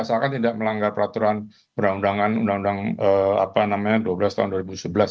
asalkan tidak melanggar peraturan undang undang dua belas tahun dua ribu sebelas